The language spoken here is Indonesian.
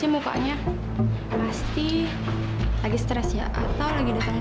ih apaan sih gue pikirin